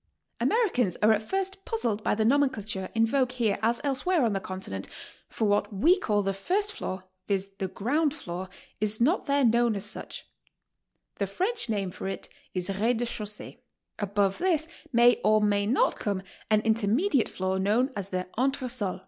Americans are at first puzzled by the nomenclature in vogue here as elsewhere on the Continent, for what we call •the first floor, viz., the ground floor, is not there known as HOW TO STAY. 149 such. The French name for it is "rez de chaussee." Above this may or may not come an intermediate floor known as the "entresol."